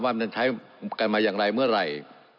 ว่ามันใช้กันมาอย่างไรเมื่อไหร่